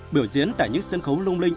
biểu diễn tại những sân khấu lung linh